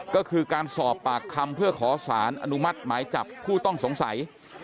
ก็คือการสอบปากคำเพื่อขอสารอนุมัติหมายจับผู้ต้องสงสัย